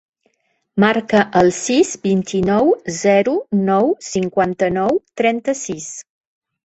Marca el sis, vint-i-nou, zero, nou, cinquanta-nou, trenta-sis.